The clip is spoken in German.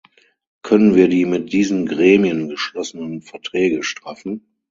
Können wir die mit diesen Gremien geschlossenen Verträge straffen?